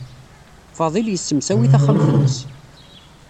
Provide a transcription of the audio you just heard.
Fadil yessemsawi taxxamt-nnes.